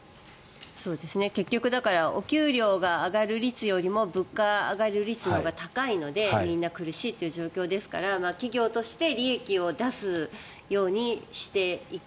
結局、だからお給料が上がる率よりも物価が上がる率のほうが高いのでみんな苦しいという状況ですから企業として利益を出すようにしていく。